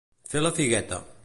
Fer la figueta.